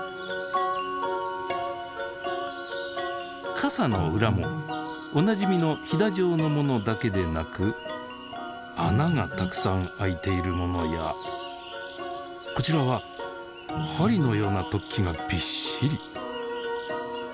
傘の裏もおなじみのひだ状のものだけでなく穴がたくさん開いているものやこちらは針のような突起がびっしり。